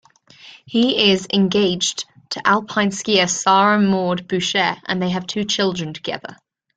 He is engaged to alpine skier Sara-Maude Boucher and they have two children together.